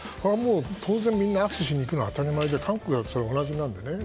当然、みんな握手しに行くのは当たり前で韓国でもそれは同じなのでね。